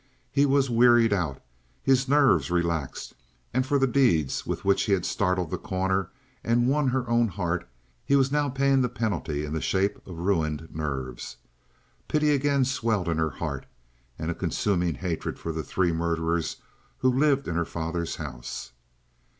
He was wearied out; his nerves relaxed; and for the deeds with which he had startled The Corner and won her own heart he was now paying the penalty in the shape of ruined nerves. Pity again swelled in her heart, and a consuming hatred for the three murderers who lived in her father's house.